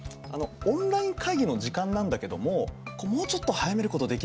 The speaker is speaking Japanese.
オンライン会議の時間なんだけどももうちょっと早めることできないかな？